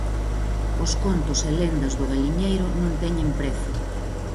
Os contos e lendas do Galiñeiro non teñen prezo.